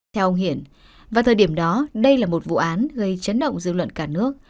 theo ông hiển vào thời điểm đó đây là một vụ án gây chấn động dư luận cả nước